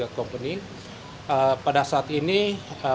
pada saat ini kita akan membuat program yang lebih murah